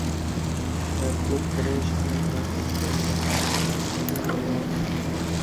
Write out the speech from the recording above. Hat coat পরে সাহেব না সাজলে এখানকার ছেলেদের মন ওঠে না।